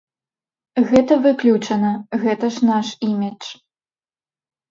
Гэта выключана, гэта ж наш імідж.